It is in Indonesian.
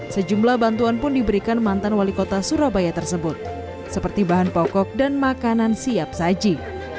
sejumlah bantuan pun diberikan mantan wali kota surabaya tersebut seperti bahan pokok dan makanan siap saji